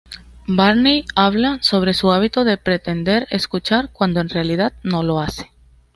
Barney habla sobre su hábito de pretender escuchar cuando en realidad no lo hace.